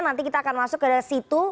nanti kita akan masuk ke situ